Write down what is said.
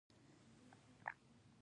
بیزو ډېر متحرک حیوان دی.